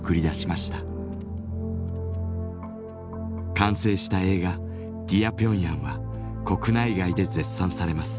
完成した映画「ディア・ピョンヤン」は国内外で絶賛されます。